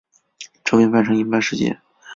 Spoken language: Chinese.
这边变成银白世界